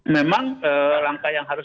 memang langkah yang harus